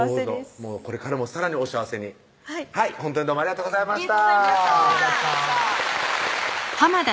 これからもさらにお幸せにはいほんとにどうもありがとうございました